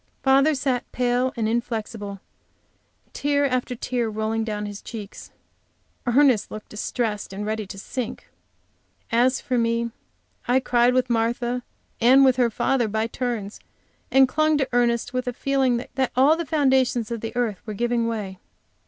Father sat pale and inflexible; tear after tear rolling down his cheeks. Ernest looked distressed and ready to sink. As for me I cried with Martha, and with her father by turns, and clung to Ernest with a feeling that all the foundations of the earth were giving way.